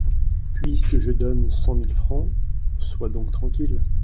Puisque je donne cent mille francs, sois donc tranquille.